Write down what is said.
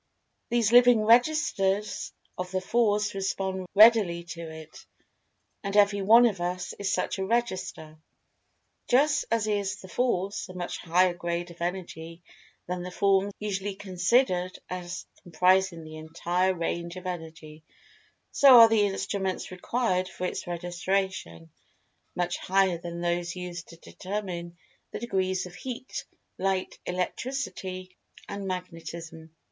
These living registers of the Force respond readily to it,—and every one of us is such a register. Just as is the Force a much higher grade of Energy than the forms usually considered as comprising the entire range of Energy, so are the instruments required for its registration much higher than those used to determine the degrees of Heat, Light, Electricity, and Magnetism.